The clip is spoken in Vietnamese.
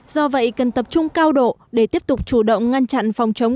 do vậy cần tập trung cao độ để tiếp tục chủ động ngăn chặn phòng chống